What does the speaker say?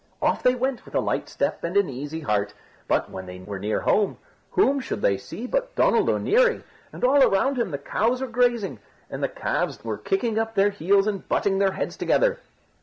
Off they went, with a light step and an easy heart, but when they were near home, who should they see but Donald O'Neary, and all around him the cows were grazing, and the calves were kicking up their heels and butting their heads together.